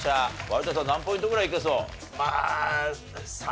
有田さん何ポイントぐらいいけそう？